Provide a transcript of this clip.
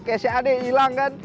kayak si adik hilang kan